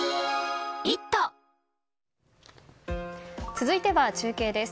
続いては中継です。